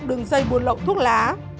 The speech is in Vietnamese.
đường dây buồn lậu thuốc lá